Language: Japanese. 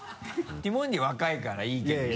ティモンディ若いからいいけどさ。